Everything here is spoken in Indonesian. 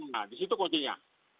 nah di situ kuncinya